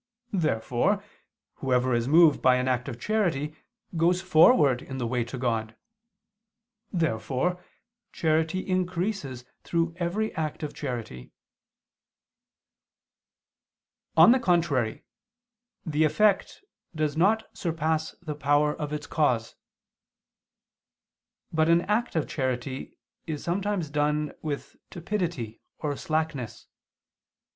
Therefore whoever is moved by an act of charity goes forward in the way to God. Therefore charity increases through every act of charity. On the contrary, The effect does not surpass the power of its cause. But an act of charity is sometimes done with tepidity or slackness.